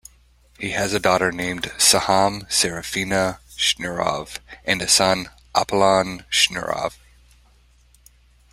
He has a daughter named Siham Serafina Shnurov, and a son Appolon Shnurov.